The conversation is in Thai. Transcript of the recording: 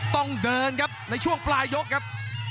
ต้องเดินครับในช่วงปลายยกครับ